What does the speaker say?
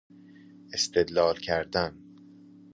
استدلال کردن